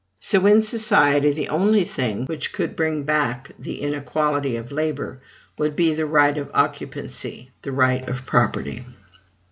So that in society the only thing which could bring back the inequality of labor would be the right of occupancy, the right of property.